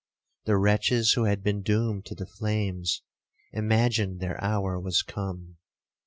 The wretches who had been doomed to the flames, imagined their hour was come.